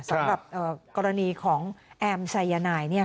สำหรับกรณีของแอมไซยานาย